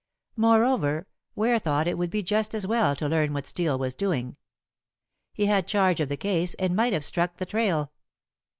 Moreover, Ware thought it would be just as well to learn what Steel was doing. He had charge of the case and might have struck the trail.